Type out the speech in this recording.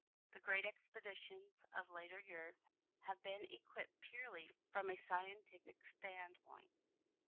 The great expeditions of later years have been equipped purely from a scientific standpoint.